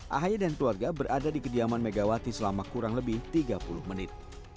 ahy dan keluarga berada di kediaman megawati selama kurang lebih tiga puluh menit